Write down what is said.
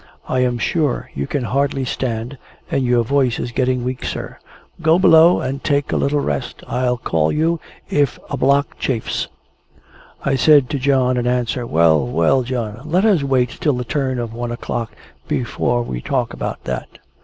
I am sure you can hardly stand, and your voice is getting weak, sir. Go below, and take a little rest. I'll call you if a block chafes." I said to John in answer, "Well, well, John! Let us wait till the turn of one o'clock, before we talk about that."